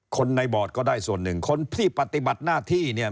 คนในบอร์ดก็ได้ส่วนหนึ่งคนที่ปฏิบัติหน้าที่เนี่ย